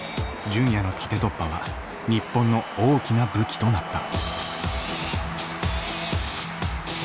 純也の縦突破は日本の大きな武器となった。